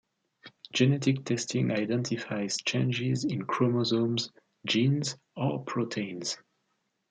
Genetic testing identifies changes in chromosomes, genes, or proteins.